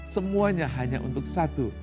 semuanya hanya untuk satu